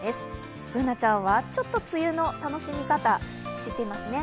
Ｂｏｏｎａちゃんはちょっと梅雨の楽しみ方、知ってますね。